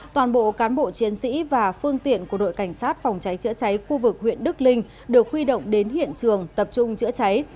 toàn bộ cán bộ chiến sĩ và phương tiện của đội cảnh sát phòng cháy chữa cháy khu vực huyện đức linh được huy động đến hiện trường tập trung chữa cháy